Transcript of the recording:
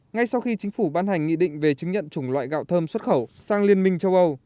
ngay sau khi chính phủ ban hành nghị định về chứng nhận chủng loại gạo thơm xuất khẩu sang liên minh châu âu